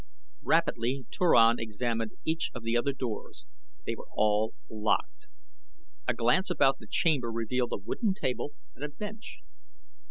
Rapidly Turan examined each of the other doors. They were all locked. A glance about the chamber revealed a wooden table and a bench.